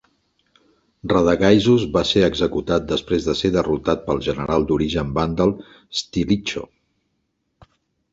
Radagaisus va ser executat després de ser derrotat pel general d'origen vàndal Stilicho.